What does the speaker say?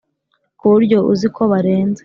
kuburyo uziko barenze